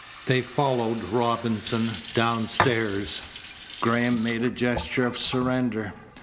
They followed Robinson downstairs. Graham made a gesture of surrender.